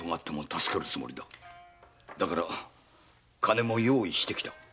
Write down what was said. だから金も用意してきた。